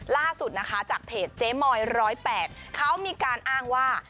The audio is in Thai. ล่าสุดนะคะจากเพจเจ๊มอย๑๐๘เขามีการอ้างว่า